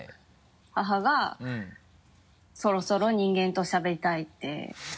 母が「そろそろ人間としゃべりたい」って。